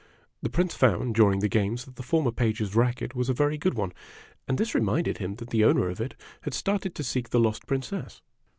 The Prince found during the games that the former page's racket was a very good one ; and this reminded him that the owner of it had started to seek the lost Princess.